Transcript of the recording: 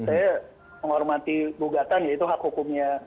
saya menghormati gugatan yaitu hak hukumnya